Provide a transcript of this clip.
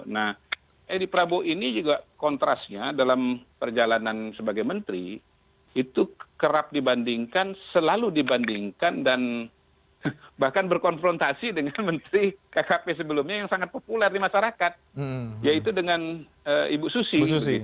nah edi prabowo ini juga kontrasnya dalam perjalanan sebagai menteri itu kerap dibandingkan selalu dibandingkan dan bahkan berkonfrontasi dengan menteri kkp sebelumnya yang sangat populer di masyarakat yaitu dengan ibu susi